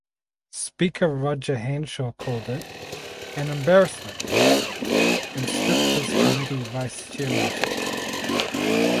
Speaker Roger Hanshaw called it "an embarrassment" and stripped his committee vice chairmanship.